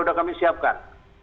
sudah kami siapkan